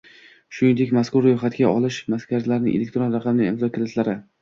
shuningdek mazkur ro‘yxatga olish markazining elektron raqamli imzolar kalitlari